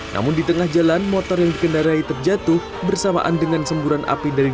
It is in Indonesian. namun di tengah jalan motor yang dikendarai terjatuh bersamaan dengan semburan api dari